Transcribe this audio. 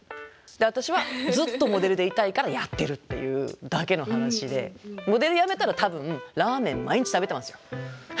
で私はずっとモデルでいたいからやってるっていうだけの話でモデルやめたら多分ラーメン毎日食べてますよ。